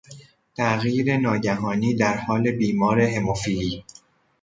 تغییر ناگهانی در حال بیمار هموفیلی